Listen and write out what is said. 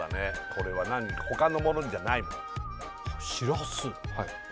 これは他のものじゃないもんシラス！？